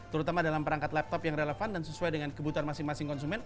terutama dalam perangkat laptop yang relevan dan sesuai dengan kebutuhan masing masing konsumen